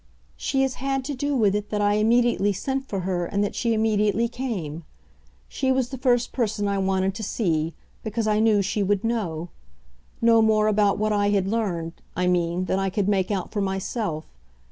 "She has had to do with it that I immediately sent for her and that she immediately came. She was the first person I wanted to see because I knew she would know. Know more about what I had learned, I mean, than I could make out for myself.